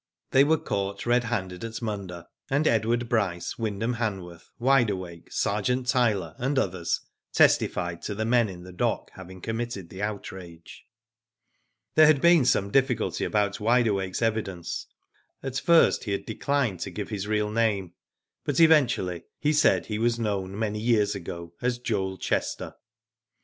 They were caught red handed at Munda, and Edward Bryce, Wyndham Hanworth, Wide Awake, Ser geant Tyler, and others, testified to the men in the dock having committed the outrage. There had been some difficulty about Wide Awake's evidence. At first he had declined to give his real name, but eventually, he said he was known many years ago as Joel Chester.